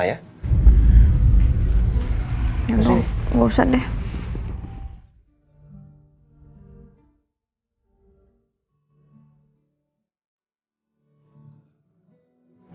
ya dong gak usah deh